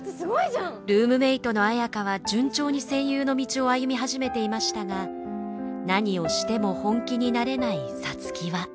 ルームメートの綾花は順調に声優の道を歩み始めていましたが何をしても本気になれない皐月は。